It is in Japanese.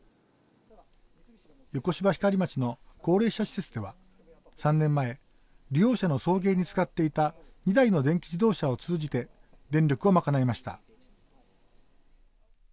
横芝光町の高齢者施設では３年前利用者の送迎に使っていた２台の電気自動車を通じて電力をまかないました。